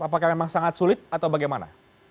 apakah memang sangat sulit atau bagaimana